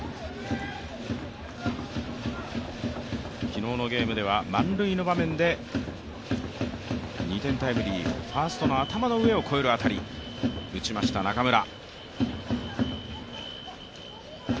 昨日のゲームでは満塁の場面で２点タイムリーファーストの頭の上を越える当たりを打ちました中村。